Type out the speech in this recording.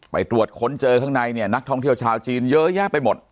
ไปตรวจค้นเจอข้างในเนี่ยนักท่องเที่ยวชาวจีนเยอะแยะไปหมด